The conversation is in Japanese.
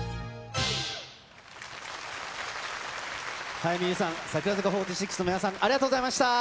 早見優さん、櫻坂４６の皆さん、ありがとうございました。